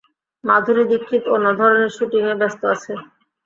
মাধুরী দিক্ষিত অন্য ধরনের শ্যুটিংয়ে ব্যস্ত আছে!